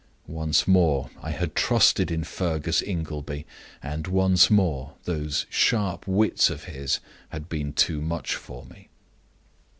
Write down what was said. Once more I had trusted in Fergus Ingleby, and once more those sharp wits of his had been too much for me.